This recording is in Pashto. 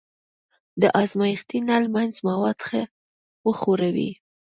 د ازمایښتي نل منځ مواد ښه وښوروئ.